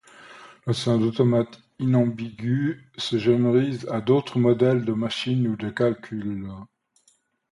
La notion d'automate inambigu se généralise à d'autres modèles de machines ou de calcul.